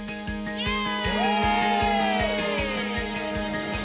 イエイ！